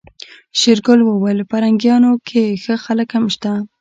شېرګل وويل پرنګيانو کې ښه خلک هم شته.